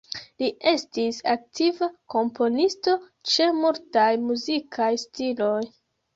Li estis aktiva komponisto, ĉe multaj muzikaj stiloj.